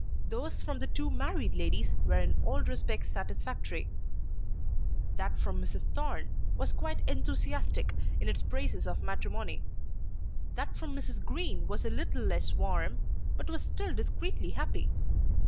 Those from the two married ladies were in all respects satisfactory. That from Mrs. Thorne was quite enthusiastic in its praises of matrimony. That from Mrs. Green was a little less warm, but was still discreetly happy.